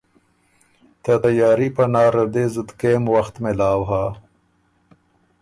ته تیاري پناره ر دې زُت کېم وخت مېلاؤ هۀ۔